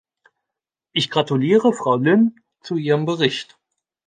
Ich gratuliere Frau Lynne zu ihrem Bericht.